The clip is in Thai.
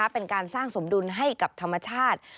เป็นการสร้างสมดุลให้กับธรรมชาติ